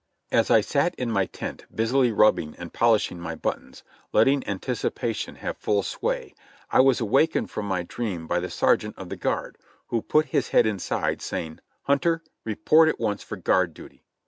As I sat in my tent busily rubbing and polishing my buttons, letting anticipation have full sway, I was awakened from my dream by the sergeant of the guard, who put his head inside, say ing, "Hunter, report at once for guard duty